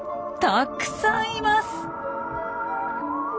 たくさんいます！